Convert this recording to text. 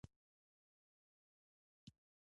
• د علیزي قوم خلک میلمهپال دي.